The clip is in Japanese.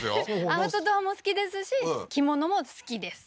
アウトドアも好きですし着物も好きです